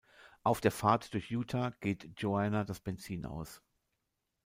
Auf der Fahrt durch Utah geht Joanna das Benzin aus.